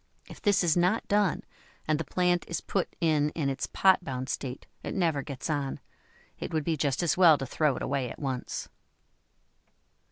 If this is not done, and the plant is put in in its pot bound state, it never gets on; it would be just as well to throw it away at once.